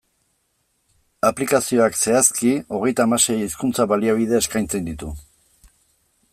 Aplikazioak, zehazki, hogeita hamasei hizkuntza-baliabide eskaintzen ditu.